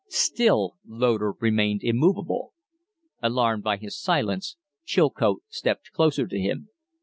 Still Loder remained immovable. Alarmed by his silence, Chilcote stepped closer to him.